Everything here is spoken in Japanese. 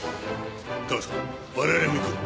カメさん我々も行こう。